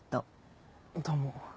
どうも。